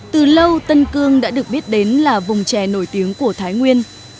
từ lâu tân cương đã được biết đến là vùng chè nổi tiếng của thái nguyên